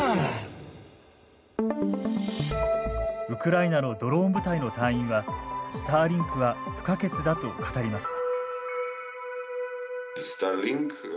ウクライナのドローン部隊の隊員はスターリンクは不可欠だと語ります。